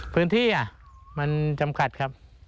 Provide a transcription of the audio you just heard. พื้นที่มันจำกัดครับ